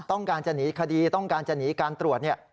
ต้องการจะหนีคดีต้องการจะหนีการตรวจเนี่ย